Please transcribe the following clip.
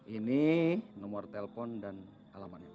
ini nomor telepon dan alamatnya pak